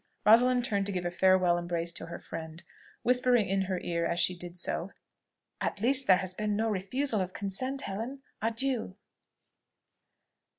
Rosalind turned to give a farewell embrace to her friend, whispering in her ear as she did so, "At least there has been no refusal of consent, Helen! Adieu!"